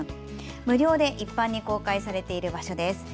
無料で一般に公開されている場所です。